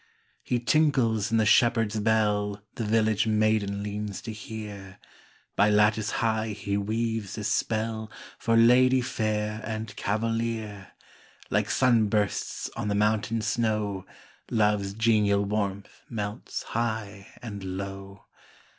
He tinkles in the shepherd s bell The village maiden leans to hear By lattice high he weaves his spell, For lady fair and cavalier : Like sun bursts on the mountain snow, Love s genial warmth melts high and low.